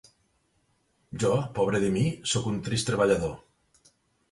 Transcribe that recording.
Jo, pobre de mi, soc un trist treballador.